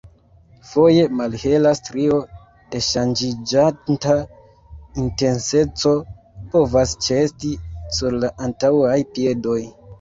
Foje, malhela strio de ŝanĝiĝanta intenseco povas ĉeesti sur la antaŭaj piedoj.